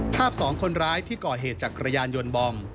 ภาพ๒คนร้ายที่ก่อเหตุจากกระยานยนต์บอม